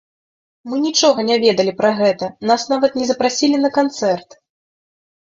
Мы нічога не ведалі пра гэта, нас нават не запрасілі на канцэрт!